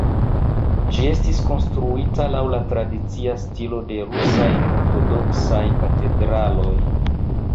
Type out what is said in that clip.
Ĝi estis konstruita laŭ la tradicia stilo de rusaj ortodoksaj katedraloj.